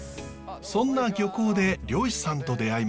そんな漁港で漁師さんと出会いました。